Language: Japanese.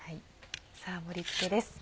さぁ盛り付けです。